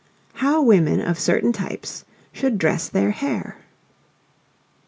HOW WOMEN OF CERTAIN TYPES SHOULD DRESS THEIR HAIR.